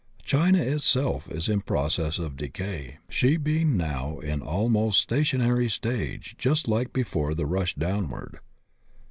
China itself is in process of decay, she being now in the almost stationary stage just before the rush downward.